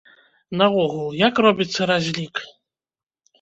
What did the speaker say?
Наогул, як робіцца разлік?